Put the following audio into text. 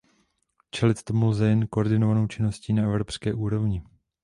Čelit tomu lze jen koordinovanou činností na evropské úrovni.